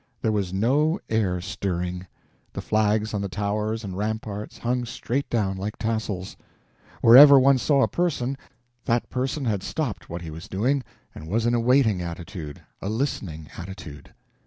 There was no air stirring. The flags on the towers and ramparts hung straight down like tassels. Wherever one saw a person, that person had stopped what he was doing, and was in a waiting attitude, a listening attitude.